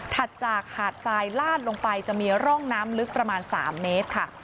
ถัดจากหาดทรายลาดลงไปจะมีร่องน้ำลึกประมาณ๓เมตรค่ะ